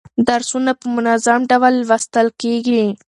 درسونه په منظم ډول لوستل کیږي.